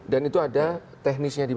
dan itu ada teknisnya